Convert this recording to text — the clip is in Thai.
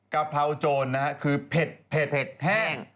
กะเพราโจรนะฮะคือเผ็ดแห้ง